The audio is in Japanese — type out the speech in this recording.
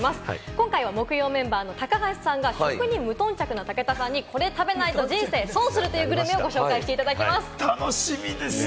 今回は木曜メンバーの高橋さんが食に無頓着な武田さんにこれを食べないと人生損するというグルメをご紹介していただきます。